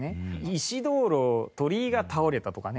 石灯篭鳥居が倒れたとかね。